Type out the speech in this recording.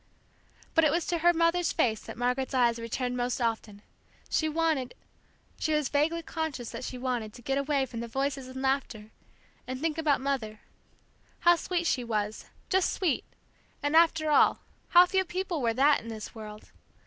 But it was to her mother's face that Margaret's eyes returned most often, she wanted she was vaguely conscious that she wanted to get away from the voices and laughter, and think about Mother. How sweet she was, just sweet, and after all, how few people were that in this world!